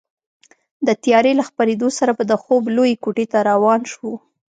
د تیارې له خپرېدو سره به د خوب لویې کوټې ته روان شوو.